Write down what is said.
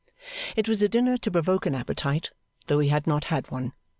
It was a dinner to provoke an appetite, though he had not had one.